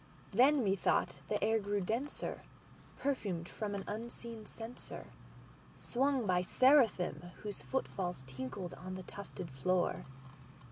Then, methought, the air grew denser, perfumed from an unseen censerSwung by seraphim whose foot falls tinkled on the tufted floor.